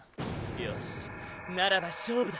よしならば勝負だ！